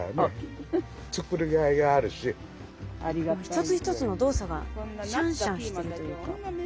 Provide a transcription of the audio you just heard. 一つ一つの動作がしゃんしゃんしてるというか。